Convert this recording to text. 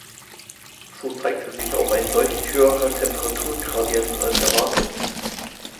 So zeigte sich auch ein deutlich höherer Temperaturgradient als erwartet.